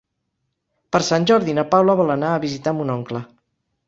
Per Sant Jordi na Paula vol anar a visitar mon oncle.